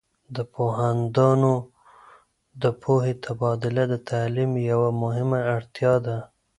د پوهاندانو د پوهې تبادله د تعلیم یوه مهمه اړتیا ده.